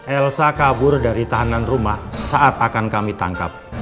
elsa kabur dari tahanan rumah saat akan kami tangkap